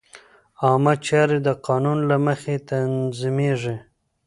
عامه چارې د قانون له مخې تنظیمېږي.